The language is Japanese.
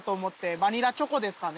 バニラチョコですかね。